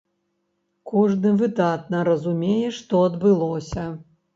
Кожны выдатна разумее, што адбылося.